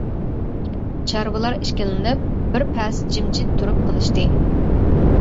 چارۋىلار ئىككىلىنىپ، بىر پەس جىمجىت تۇرۇپ قىلىشتى.